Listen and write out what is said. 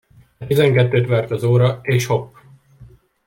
De tizenkettőt vert az óra, és hopp!